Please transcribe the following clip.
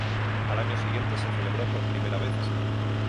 Al año siguiente se celebró por primera vez ese día.